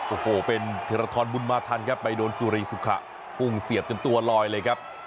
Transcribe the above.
โอ้โหเป็นธิรทรบุญมาทันครับไปโดนสุรีสุขะพุ่งเสียบจนตัวลอยเลยครับ